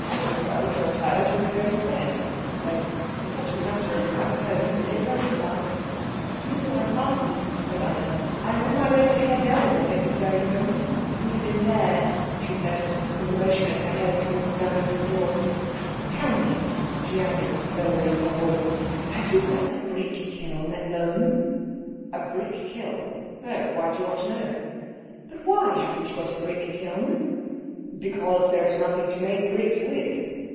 "Well, if you are tired you must go to bed," he said, in such a matter of fact tone that they both laughed. "No, I mustn't," said Anna; "I am on my way to Herr Dellwig at this very moment. He's in there," she said, with a motion of her head towards the dining room door. "Tell me," she added, lowering her voice, "have you got a brick kiln at Lohm?" "A brick kiln? No. Why do you want to know?" "But why haven't you got a brick kiln?" "Because there is nothing to make bricks with.